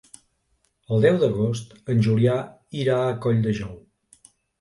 El deu d'agost en Julià irà a Colldejou.